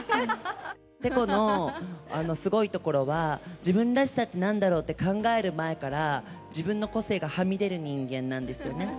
ペコのすごいところは、自分らしさってなんだろうって考える前から、自分の個性がはみ出る人間なんですよね。